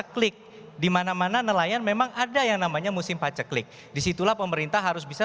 klik dimana mana nelayan memang ada yang namanya musim paceklik disitulah pemerintah harus bisa